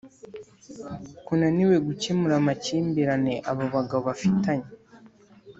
kunaniwe gukemura amakimbirane abo bagabo bafitanye